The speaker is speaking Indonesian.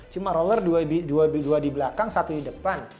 cuma roller dua di belakang satu di depan